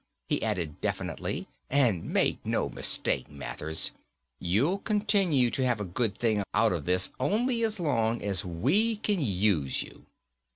He added definitely, "And make no mistake, Mathers, you'll continue to have a good thing out of this only so long as we can use you."